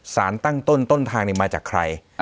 สารตั้งต้นต้นทางมาจากใคร